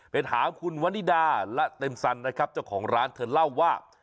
ไปถามคุณวันนิดาและเต็มสันนะครับเจ้าของร้านเธอเล่าว่า